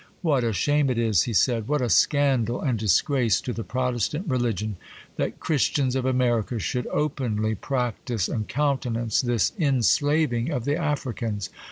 'What a shame it is,' he said; 'what a scandal and disgrace to the Protestant religion, that Christians of America should openly practise and countenance this enslaving of the Africans!